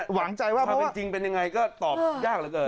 หวังนะฮะถ้าเป็นจริงเป็นอย่างไรก็ตอบยากเหลือเกิน